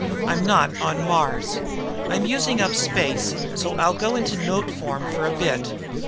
(I'm not on Mars). I'm using up space, so I'll go into note form for a bit.